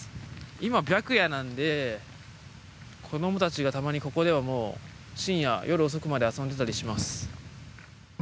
今、白夜なんで子供たちが、たまにここでは深夜、夜遅くまで遊んでたりします。